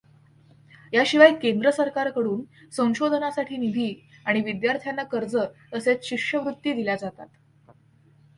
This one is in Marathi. याशिवाय केंद्र सरकारकडून संशोधनासाठी निधी आणि विद्यार्थ्यांना कर्ज तसेच शिष्यवृत्ती दिल्या जातात.